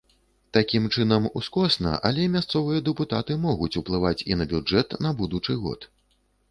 Такім чынам ускосна, але мясцовыя дэпутаты могуць уплываць і на бюджэт на будучы год.